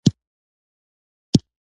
له دې پانګونې یې هیڅ سیاسي هدف نلري.